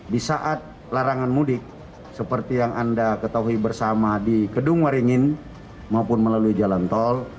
di saat larangan mudik seperti yang anda ketahui bersama di kedung waringin maupun melalui jalan tol